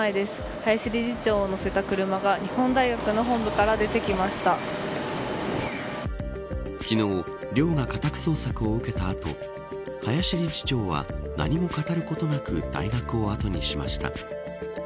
林理事長を乗せた車が日本大学の本部から昨日、寮が家宅捜索を受けた後林理事長は何も語ることなく大学を後にしました。